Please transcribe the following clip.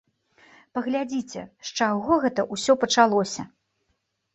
Паглядзіце, з чаго гэта ўсё пачалося!